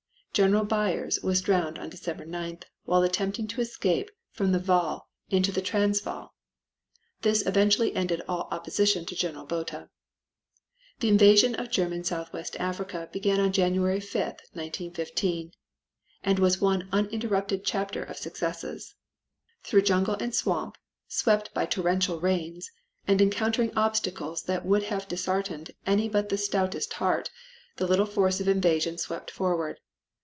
General Beyers was drowned on December 9th while attempting to escape from the Vall into the Transvaal. This virtually ended all opposition to General Botha. The invasion of German Southwest Africa began on January 5, 1915, and was one uninterrupted chapter of successes. Through jungle and swamp, swept by torrential rains and encountering obstacles that would have disheartened any but the stoutest heart, the little force of invasion swept forward.